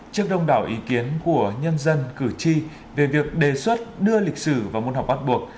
trước đông đảo ý kiến của nhân dân cử tri về việc đề xuất đưa lịch sử vào môn học bắt buộc